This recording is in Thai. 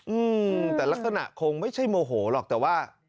อืมแต่ลักษณะคงไม่ใช่โมโหหรอกแต่ว่า